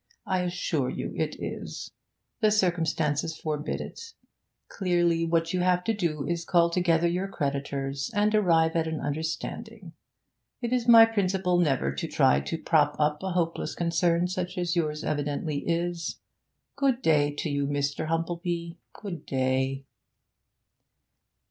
I assure you it is. The circumstances forbid it. Clearly, what you have to do is to call together your creditors, and arrive at an understanding. It is my principle never to try to prop up a hopeless concern such as yours evidently is. Good day to you, Mr. Humplebee; good day.'